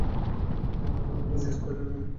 আমি আমার দুনিয়ার স্পাইডার-ম্যান।